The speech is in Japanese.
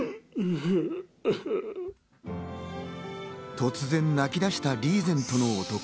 突然泣き出したリーゼントの男。